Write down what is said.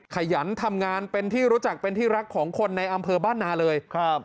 ขยันทำงานเป็นที่รู้จักเป็นที่รักของคนในอำเภอบ้านนาเลยครับ